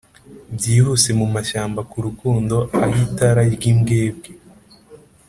byihuse mumashyamba kurukundo, aho itara ryimbwebwe,